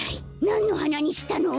なんのはなにしたの？